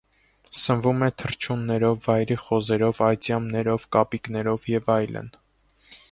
Սնվում է թռչուններով, վայրի խոզերով, այծյամներով, կապիկներով և այլն։